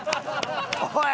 おい！